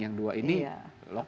yang dua ini lokal